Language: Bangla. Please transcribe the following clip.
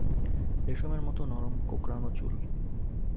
রেশমের মতো নরম কোঁকড়ানো চুল।